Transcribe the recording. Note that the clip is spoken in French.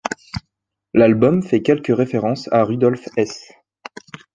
L'album fait quelques références à Rudolf Hess.